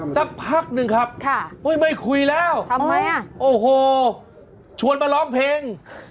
สักพักหนึ่งครับไม่คุยแล้วโอ้โฮชวนมาร้องเพลง